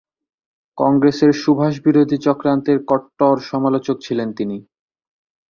কংগ্রেসের সুভাষ-বিরোধী চক্রান্তের কট্টর সমালোচক ছিলেন তিনি।